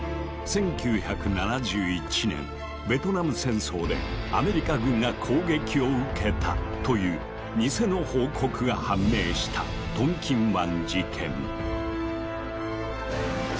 １９７１年ベトナム戦争でアメリカ軍が攻撃を受けたというニセの報告が判明したトンキン湾事件。